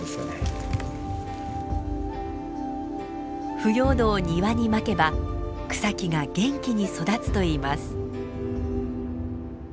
腐葉土を庭に撒けば草木が元気に育つといいます。